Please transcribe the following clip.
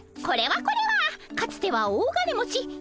これはこれはかつては大金持ち